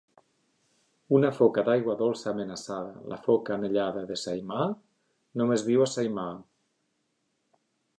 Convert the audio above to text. Una foca d'aigua dolça amenaçada, la foca anellada de Saimaa, només viu a Saimaa.